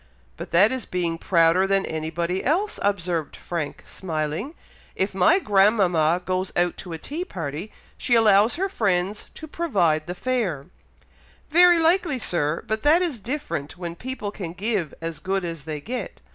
"But that is being prouder than anybody else," observed Frank, smiling. "If my grandmama goes out to a tea party, she allows her friends to provide the fare." "Very likely, Sir! but that is different when people can give as good as they get.